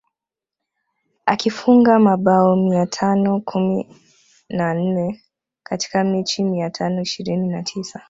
Akifunga mabao mia tano kumi na nne katika mechi mia tano ishirini na tisa